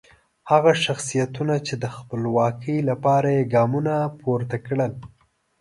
هغه شخصیتونه چې د خپلواکۍ لپاره یې ګامونه پورته کړل.